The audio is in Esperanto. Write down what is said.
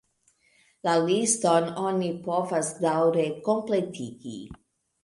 La liston oni povas daŭre kompletigi.